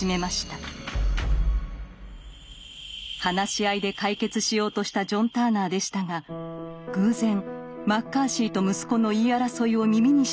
話し合いで解決しようとしたジョン・ターナーでしたが偶然マッカーシーと息子の言い争いを耳にしてしまいます。